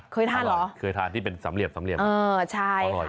เคยทานหรอเคยทานที่เป็นสำเหลี่ยบอ่อใช่ค่ะ